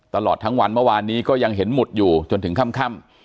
ตลอดทั้งวันเมื่อวานนี้ก็ยังเห็นหมุดอยู่จนถึงค่ำ